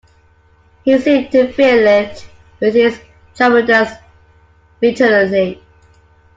He seemed to fill it with his tremendous vitality.